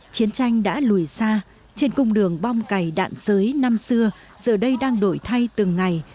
chiến tranh đã lùi xa trên cung đường bom cày đạn sới năm xưa giờ đây đang đổi thay từng ngày